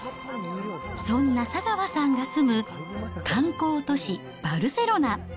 そんな佐川さんが住む観光都市バルセロナ。